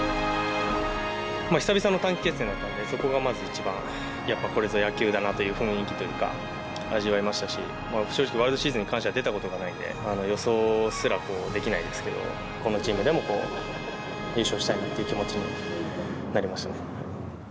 久々の短期決戦だったので、そこがまず一番、やっぱこれぞ野球だなという雰囲気というか、味わいましたし、正直、ワールドシリーズに関しては出たことがないので、予想すらできないですけど、このチームでも優勝したいなという気持ちになりましたね。